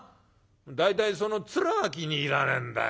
大体その面が気に入らねえんだよ